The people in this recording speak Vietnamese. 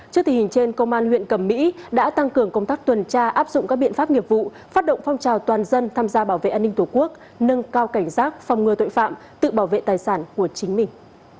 trước tình hình trên công an huyện cầm mỹ đã tăng cường công tác tuần tra áp dụng các biện pháp nghiệp vụ phát động phong trào toàn dân tham gia bảo vệ an ninh tổ quốc nâng cao cảnh giác phòng ngừa tội phạm tự bảo vệ tài sản của chính mình